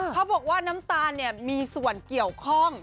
เขาบอกว่าน้ำตาลมีส่วนเกี่ยวข้อง